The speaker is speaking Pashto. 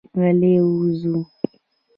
غلي وځو.